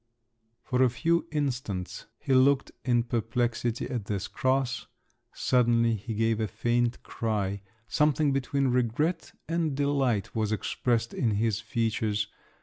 For a few instants he looked in perplexity at this cross—suddenly he gave a faint cry…. Something between regret and delight was expressed in his features.